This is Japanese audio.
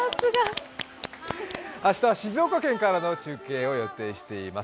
明日は静岡県からの中継を予定しています。